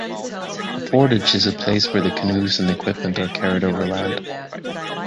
A portage is a place where the canoes and equipment are carried over land.